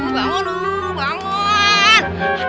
bangun dong bangun